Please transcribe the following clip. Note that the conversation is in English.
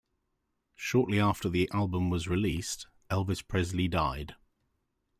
Shortly after the album was released, Elvis Presley died.